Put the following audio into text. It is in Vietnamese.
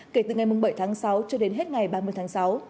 kể từ ngày bảy tháng sáu cho đến hết ngày ba mươi tháng sáu